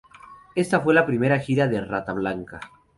Esta fue la primera gira de Rata Blanca.